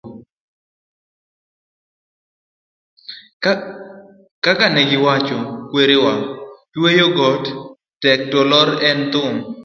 kaka ne giwacho kwarewa, twenyo got tek to lor en thum